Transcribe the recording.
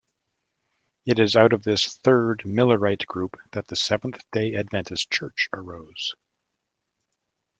It is out of this third Millerite group that the Seventh-day Adventist Church arose.